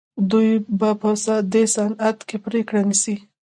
دوی به په دې وضعیت کې پرېکړه نیسي.